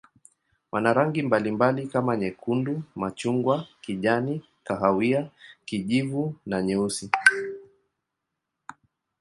Wana rangi mbalimbali kama nyekundu, machungwa, kijani, kahawia, kijivu na nyeusi.